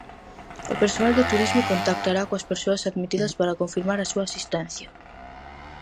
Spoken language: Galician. O persoal de turismo contactará coas persoas admitidas para confirmar a súa asistencia.